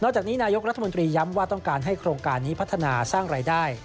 จากนี้นายกรัฐมนตรีย้ำว่าต้องการให้โครงการนี้พัฒนาสร้างรายได้